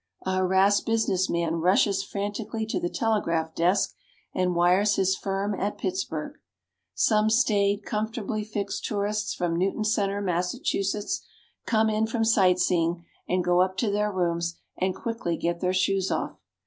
A harassed business man rushes frantically to the telegraph desk and wires his firm at Pittsburgh. Some staid, comfortably fixed tourists from Newton Center, Massachusetts, come in from sight seeing and go up to their rooms and quickly get their shoes off.